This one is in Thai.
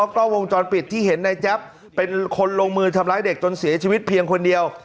กล้องวงจรปิดที่เห็นในแจ๊บเป็นคนลงมือทำร้ายเด็กจนเสียชีวิตเพียงคนเดียว